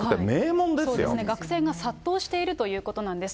学生が殺到しているということなんです。